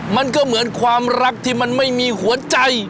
มันก็เหมือนความรักที่มันไม่มีหัวใจ